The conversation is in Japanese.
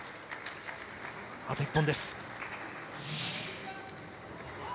あと１本です。